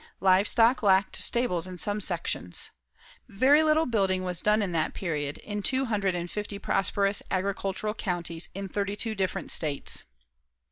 Livestock lacked stables in some sections. Very little building was done in that period in two hundred and fifty prosperous agricultural counties in thirty two different states.